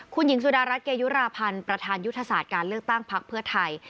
คุณหญิงสุดารัฐเกยุราพันธ์ประธานยุทธศาสตร์การเลือกตั้งพักเพื่อไทย